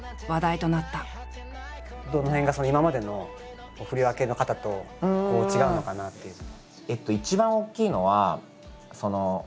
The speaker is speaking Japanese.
どの辺が今までの振り分け方と違うのかなっていうのは。